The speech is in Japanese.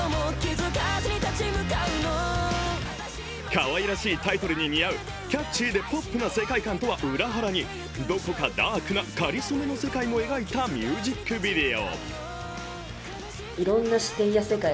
かわいらしいタイトルに見合うキャッチーでポップな世界観とは裏腹にどこかダークな、かりそめの世界も描いたミュージックビデオ。